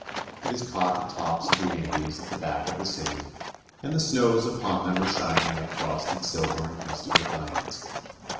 It has caught the tops of the Andes at the back of the city, and the snows upon them are shining like frosted silver incrusted with diamonds.